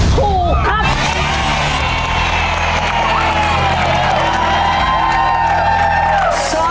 ถูกครับ